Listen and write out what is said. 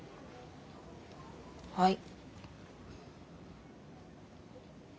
はい。